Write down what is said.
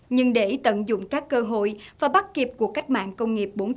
nhưng để tận dụng các cơ hội và bắt kịp của cách mạng công nghiệp bốn